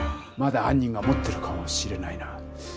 まだはん人が持ってるかもしれないな。